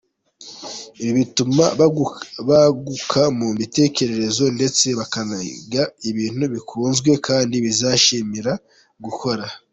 Ibi bituma baguka mu bitekerezo, ndetse bakaniga ibintu bakunze kandi bazishimira gukora.